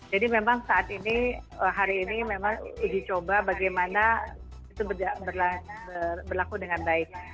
jadi memang saat ini hari ini memang uji coba bagaimana itu berlaku dengan baik